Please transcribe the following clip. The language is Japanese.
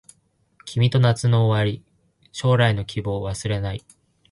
君と夏の終わり将来の希望忘れない